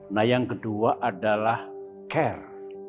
nah yang kedua adalah care